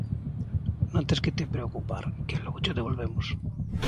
Non tes que te preocupar, que logo cho devolvemos.